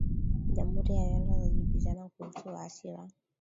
Jamhuri na Rwanda zajibizana kuhusu waasi wa